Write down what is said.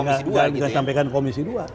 tidak bisa disampaikan komisi dua